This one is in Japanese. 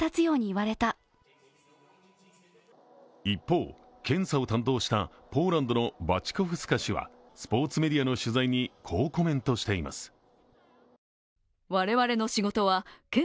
一方、検査を担当したポーランドのバチコフスカ氏はスポーツメディアの取材にこうコメントしています。